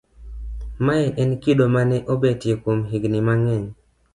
mae en kido mane obetie kuom higni mang'eny